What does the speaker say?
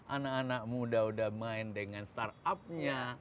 anak anak muda udah main dengan startupnya